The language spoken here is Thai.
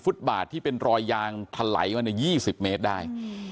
ฟุตบาดที่เป็นรอยยางทะไหลว่าเนี่ย๒๐เมตรได้